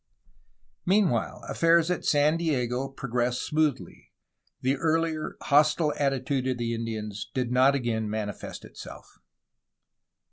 Meanwhile, affairs at San Diego progressed smoothly; the earher hostile attitude of the Indians did not again manifest itself.